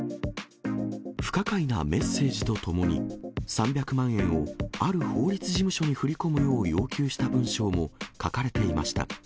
不可解なメッセージとともに、３００万円をある法律事務所に振り込むよう要求した文章も書かれていました。